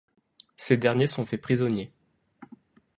Ces derniers sont faits prisonniers.